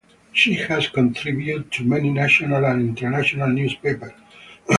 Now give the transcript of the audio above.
She has contributed to many national and international newspapers.